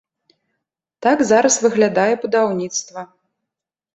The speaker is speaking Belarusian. Так зараз выглядае будаўніцтва.